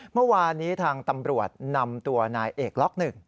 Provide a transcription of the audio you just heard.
เมื่อวานนี้ทางตำรวจนำตัวนายเอกล็อก๑